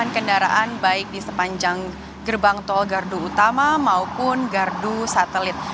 gerbang tol gardu utama maupun gardu satelit